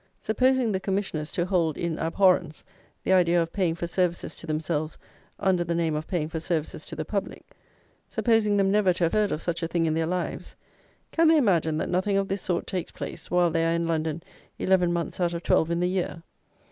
Supposing the commissioners to hold in abhorrence the idea of paying for services to themselves under the name of paying for services to the public; supposing them never to have heard of such a thing in their lives, can they imagine that nothing of this sort takes place, while they are in London eleven months out of twelve in the year?